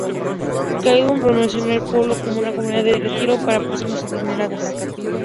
Clayton promocionó el pueblo como una comunidad de retiro para personas adineradas.